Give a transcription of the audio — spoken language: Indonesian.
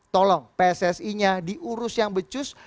tolong pssi nya diurus yang becus